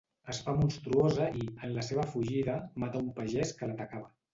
Es fa monstruosa i, en la seva fugida, mata un pagès que l'atacava.